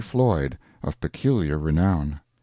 Floyd, of peculiar renown!